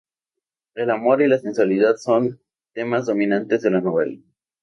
El amor y la sensualidad son temas dominantes de la novela.